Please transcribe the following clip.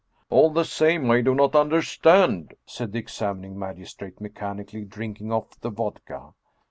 " All the same, I do not understand !" said the examining magistrate, mechanically drinking off the vodka.